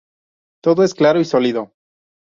Todo es claro y sólido.